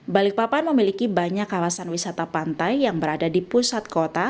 balikpapan memiliki banyak kawasan wisata pantai yang berada di pusat kota